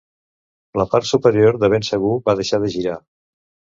La part superior de ben segur va deixar de girar.